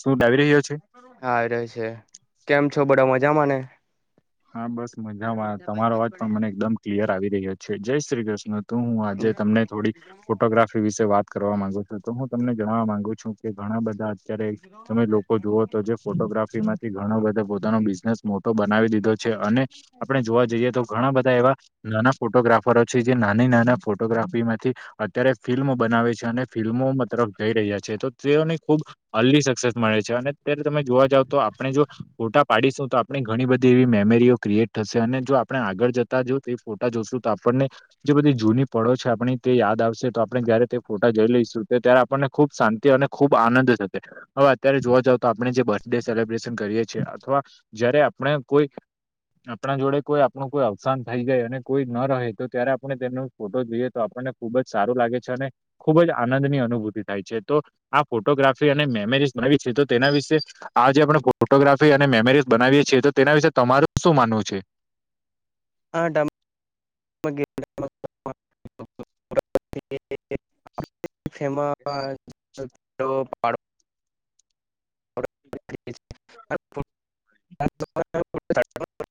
શું ડાવી રહ્યો છે હા ર છે કેમ છો બધા મજામાં હા બસ મજામાંત તમારો વાત પણ મને એકદમ ક્લિયર આવી રહ્યો છે જય શ્રી કૃષ્ણ. હું આજે તમને થોડી ફોટોગ્રાફ વિશે વાત કરવા માંગુ છું તો હું તમને જણવા માંગુ છું કે ઘણા બધા અ્યારે તમે લોકો જુઓ તો જે ફોટોગ્રાફી માંથી ઘણો બધો પોતાનો બિઝનેસ મોટો બનાવી દીધો છે. છે અને આપણે જોવા જઈએ તો ઘણા બધા એવા નાના ફોટોગ્રાફરો છે જે નાની નાના ફોટોગ્રાફી માંથી અત્યારે ફિલ્મ બનાવે છે અને ફિલ્મો તરફ જઈ રહ્યા છે તો તેઓની ખુબ અલ્લી સક્સેસ મળે છે અને અત્યારે તમે જોવા જાવ તો આપણે જો ફોટા પાડીશું તો આપણી ઘણી બધી એવી મેમરીઓ ક્રિએટ થશે અને જો આપણે આગળ જતા જો તે ફોટા જોઈશું તો આપણને જે બધી જૂની પળો છે આપણી તે યાદ આવશે તો આપણે જયારે તે ફોટા જઈ લઈશું તો ત્યારે આપણને ખુબ શાંતિ અને ખુબ આનંદ છે. હવે અત્યારે જોવા જાવ તો આપણે જે બર્થડે સેલિબ્રેશન કરીએ છીએ અથવા જયારે આપણે કોઈ આપણા જોડે કોઈ આપણું કોઈ અવસાન થઈ જાય અને કોઈ ન રહે તો ત્યારે આપણે તેમનો ફોટો જોઈએ તો આપણને ખુબ જ સારું લાગે છે અને ખૂબ જ આનંદની અનુભૂતિ થાય છે તો આ ફોટોગ્રાફી અને મેમેરીઝ બનાવી છે તો તેના વિશે આ જે આપણે ફોટોગ્રાફી અને મેમરીઝ બનાવીએ છીએ તો તેના વિશે તમારું શું માનવું છે. હા ડ [unintelligible] ફેમ [unintelligible] [inaudible]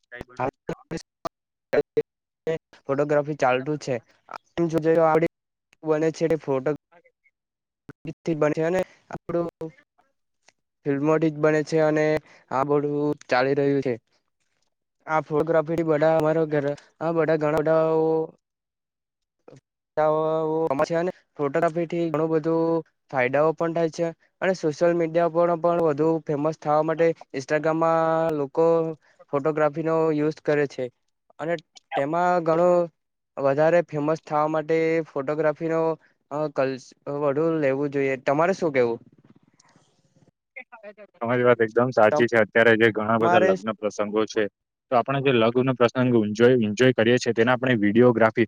કઈ બ [inaudible] ફોટોગ્રાફી ચાલતું છે. જોડી બને છે એ ફોટો અ [unintelligible] બનશે અને આપડું ફિલ્મો ઠીક બને છે અને આ બધું ચાલી રહ્યું છે. આ ફોટોગ્રાફી બધા અમારા ઘર આ બધા ઘણા બધા ને ફોટોગ્રાફી થી ઘણું બધું ફાયદાઓ પણ થાય છે અને સોશિયલ મીડિયા પણ વધુ ફેમસ થાવા માટે ઇન્સ્ટાગ્રામમાં લોકો ફોટોગ્રાફી નો યુઝ કરે છે. અને તેમાં ઘણો વધારે ફેમસ થવા માટે ફોટોગ્રાફીનો કલ્ વડું લેવું જોઈએ તમારે શું કેવું તમારી વાત એકદમ સાચી છે અત્યારે જે ઘણા બધા તમારે લગ્ન પ્રસંગો છે. તો આપણે જે લગ્નનો પ્રસંગ એન્જોય કરીએ છી તેને આપણે વિડીયોગ્રાફી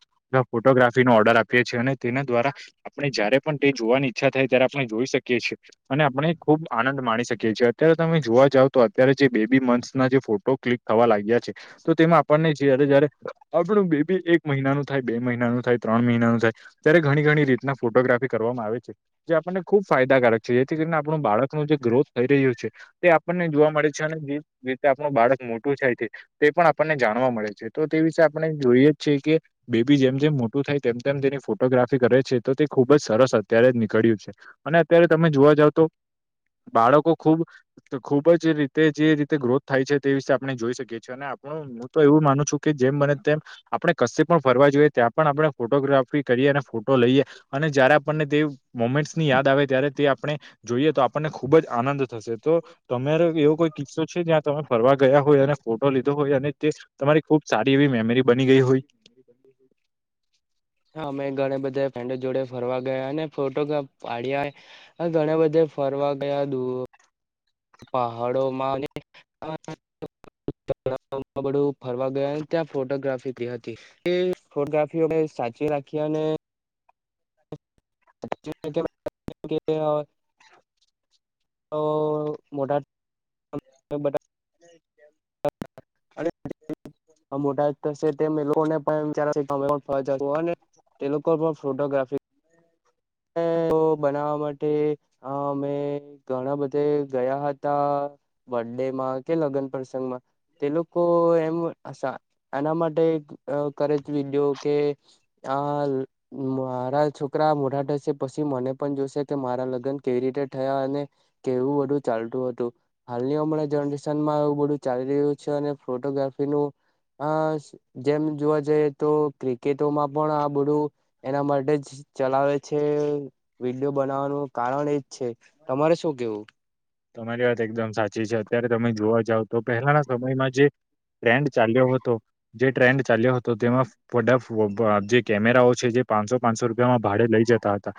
ફોટોગ્રાફી નો ઓર્ડર આપીએ છીએ અને તેના દ્વારા આપણે જયારે પણ તે જોવાની ઈચ્છા થાય ત્યારે આપણે જોઈ શકીએ છીએ અને આપણે ખૂબ આનંદ માણી શકીએ છીએ અત્યારે તમે જોવા જાવ તો અત્યારે જે બેબી મંથસના જે ફોટો ક્લિક થવા લાગ્યા છે તો તેમાં આપણને છીએ જયારે આપણું બેબી એક મહિનાનું થાય બે મહિનાનું થાય ત્રણ મહિનાનું થાય ત્યારે ઘણી ઘણી રીતના ફોટોગ્રાફી કરવામાં આવે છે જે આપણને ખુબ ફાયદાકારક છે જેથી કરીને પણ બાળકનો જે ગ્રોથ થઈ રહ્યો છે. તે આપણને જોવા મળે છે અને જે રીતે આપણું બાળક મોટું છે. તે પણ આપણને જાણવા મળે છે તો તે વિશે આપણે જોઈએ જ છે કે બેબી જેમ જેમ મોટું થાય તેમ તેમ તેની ફોટોગ્રાફી કરે છે તો તે ખુબ જ સરસ અત્યારે જ નીકળ્યું છે. અને અત્યારે તમે જોવા જાવ તો. બાળકો ખુબ. તો ખુબ જ રીતે જે રીતે ગ્રોથ થાય છે તે વિશે આપણે જોઈ શકીએ છીએ અને આપણું હું તો એવું માનું છું કે જેમ બને તેમ આપડણે કશી પણ ફરવા જોઈએ. ત્યાં પણ આપણે ફોટોગ્રાફી કરીએ અને લઈએ અને જયારે આપણને તે મોમેન્ટ ની યાદ આવે ત્યારે તે આપણે. જોઈએ તો આપણને ખુબ જ આનંદ થશે. તો તમારો એવો કોઈ કિસ્સો છે જ્યાં તમે ફરવા ગયા હોય અને ફોટો લીધો હોય અને તે તમારી ખુબ સારી એવી મેમરી બની ગઈ હોય? [inaudible] હા અમે ઘણા બધા ફન્ડ જોડે ફરવા ગયા અને ફોટોગ્રાફ પાડ્યા હ ઘણા બધે ફરવા ગયા દુ પહાડોમાં અને [inaudible] ફરવા ગયા ત્યાં ફોટોગ્રાફી હતી. એ ફોટોગ્રાફીઓને સાચવી રાખી અને [inaudible] તો મોટા [unintelligible] [inaudible] અને મોટા થશે તેમ એ લોકોને પણ વિચાર છે કે અમે પણ ફરવા જશું અને તે લોકો હ તો બનાવા માટે હા મેં ઘણા બધા ગયા હતા બર્ ડે માં કે લગ્ન પ્રસંગમાં તે લોકો એમ એના માટે કરે છે વિગ કે આ મારા છોકરા મોઢા પછી મને પણ જોશે કે મારા લગ્ન કેવી રીતે થયા અને કેવું બધુ ચાલતું હતું? હાલની ઉંમર જનરેશન માં એવું બધું ચાલી રહ્યું છે અને ફોટોગ્રાફીનું અ જેમ જોવા જઈએ તો ક્રિકેટોમાં પણ આ બધું એના માટે જ ચલાવે છે વિડીયો બનાવવાનું કારણ એજ છે તમારે શું કેવું? તમારી વાત એકદમ સાચી છે અત્યારે તમે જોવા જાવ તો પહેલાના સમયમાં જે ટ્રેન્ડ ચાલ્યો હતો જે ટ્રેન્ડ ચાલ્યો હતો તેમાં જે કેમેરાઓ છે જે પાંચસો પાંચસો રૂપિયામાં ભાડે લઈ જતા હતા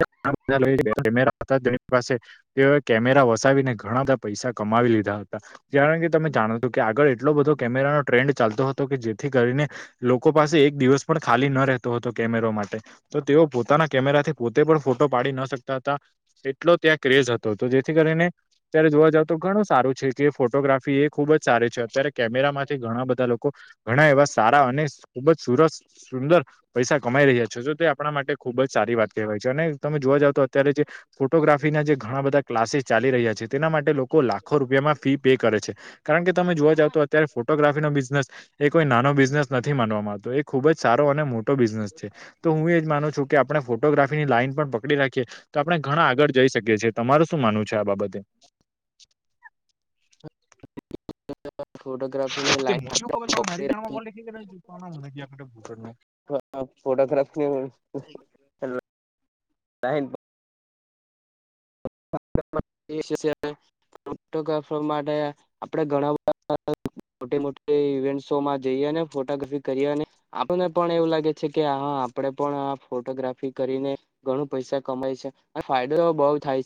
[inaudible] [unintelligible] પાસે તેઓએ કેમેરા વસાવીને ઘણા બધા પૈસા કમાવી લીધા હતા. કારણ કે તમે જાણો છ કે આગળ એટલો બધો કેમેરાનો ટ્રેન્ડ ચાલતો હતો કે જેથી કરીને લોકો પાસે એક દિવસ પણ ખાલી ન રહેતો હતો કેમેરો માટે. તો તેઓ પોતાના કેમેરાથી પોતે પણ ફોટો પાડી ના શકતા હતા એટલો ત્યાં ક્રેઝ હતો. તો જેથી કરીને ત્યારે જોવા જાવ તો ઘણું સારું છે કે ફોટોગ્રાફી એ ખુબ જ સારી છે અત્યારે કેમેરા માંથી ઘણા બધા લોકો ઘણા એવા સારા અને ખૂબ જ સુરસ સુંદર પૈસા કમાઈ રહ્યા છે તો તે આપણા માટે ખુબ જ સારી વાત કહેવાય છે અને તમે જોવા જાવ તો અત્યારે જે ફોટોગ્રાફ ફી ના જે ઘણા બધા ક્લાસીસ ચાલી રહ્યા છે. તેના માટે લોકો લાખો રૂપિયામાં ફી પે કરે છે કારણ કે તમે જોવા જાવ તો અત્યારે ફોટોગ્રાફીનોો બિઝનેસ એ કોઈ નાનો બિઝનેસ નથી માનવામાંતો ખુબ જ સારો અને મોટો બિઝનેસ છે તો હું એજ માનું છું કે આપણે ફોટોગ્રાફી ની લાઈન પણ પકડી રાખી તો આપણે ઘણા આગળ જઈ શકીએએ તમાર શું માનવું છે આ બાબતે? ફોટોગ્રાફીની લાઈન મને પકડી રાખી [unintelligible] [inaudible] હ ફોટોગ્રાફ [unintelligible] [unintelligible] હ. [unintelligible] ફોટોગ્રાફર માટે આપડે ઘણા બધા મોટી મોટી ઇવેન્ટસો માં જઈએ ને ફોટોગ્રાફી કરીએ અને આપણને પણ એવું લાગે છે કે હા આપણે પણ આ ફોટોગ્રાફી કરીને ઘણું પૈસા કમાય છે અને ફાયદો બઉ થાય છે.